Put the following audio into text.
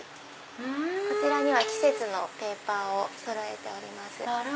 こちらには季節のペーパーをそろえております。